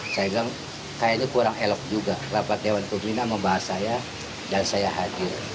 saya bilang kayaknya kurang elok juga rapat dewan pembina membahas saya dan saya hadir